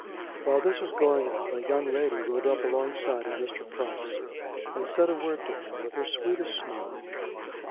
While this was going on a young lady rode up along side of Mr. Price, and said a word to him with her sweetest smile.